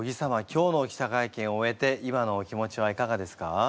今日の記者会見を終えて今のお気持ちはいかがですか？